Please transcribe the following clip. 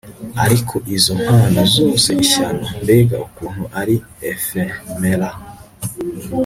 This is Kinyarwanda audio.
ariko izi mpano zose ishyano! mbega ukuntu ari ephemeral